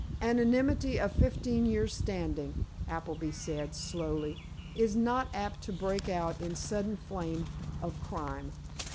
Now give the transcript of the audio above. "An enmity of fifteen years' standing," Appleby said, slowly, "is not apt to break out in sudden flame of crime.